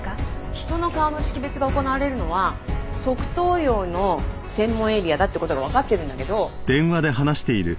人の顔の識別が行われるのは側頭葉の専門エリアだって事がわかってるんだけど。